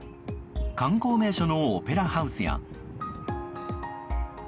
観光名所のオペラハウスや。